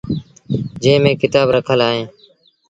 جݩهݩ ميݩ ڪتآب رکل اوهيݩ۔